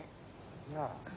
なあ